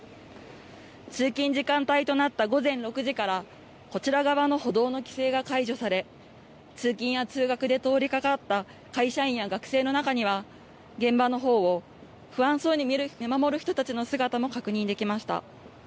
通勤時間帯となった午前６時からこちら側の歩道の規制が解除され、通勤や通学で通りかかった会社員や学生の中には、現場のほうを不安そうに見守る人たちの姿も確認できました。